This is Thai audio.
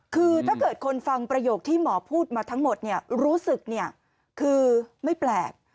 คือถ้าเกิดคนฟังประโยคที่หมอพูดมาทั้งหมดรู้สึกคือไม่แปลก